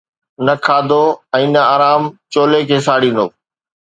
نه کاڌو ۽ نه آرام چولي کي ساڙيندو.